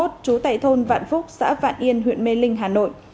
trú tại thôn vạn phúc xã vạn yên huyện mê linh hà nội